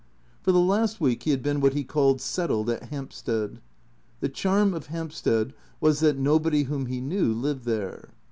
For the last week he had been what he called settled at Hamp stead. The charm of Hampstead was that nobody whom he knew lived there.